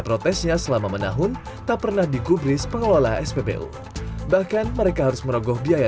protesnya selama menahun tak pernah digubris pengelola spbu bahkan mereka harus merogoh biaya